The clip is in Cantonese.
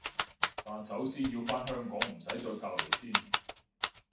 但首先要返香港唔使再隔離先